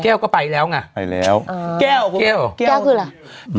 แก้วก็ไปแล้วไงไปแล้วอ่าแก้วแก้วเหรอแก้วแก้วคืออะไร